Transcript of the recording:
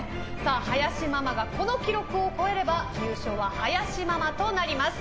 林ママがこの記録を超えれば優勝は林ママとなります。